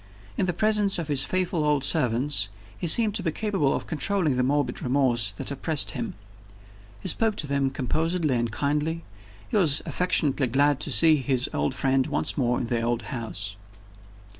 In the presence of his faithful old servants, he seemed to be capable of controlling the morbid remorse that oppressed him. He spoke to them composedly and kindly; he was affectionately glad to see his old friend once more in the old house.